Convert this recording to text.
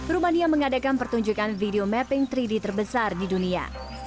rumania mengadakan pertunjukan video mapping tiga d terbesar di dunia